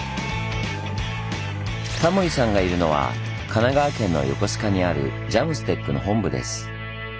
タモリさんがいるのは神奈川県の横須賀にあるＪＡＭＳＴＥＣの本部です。